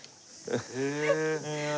へえ。